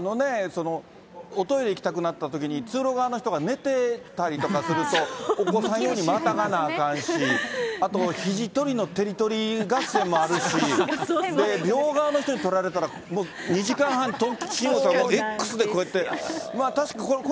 おトイレ行きたくなったときに、通路側の人が寝てたりとかすると、起こさんようにまたがなあかんし、あと、ひじ取りのテリトリー合戦もあるし、両側の人に取られたら、もう２時間半、エックスでこうやって。